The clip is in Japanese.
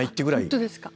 本当ですか？